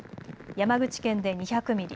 山口県で２００ミリ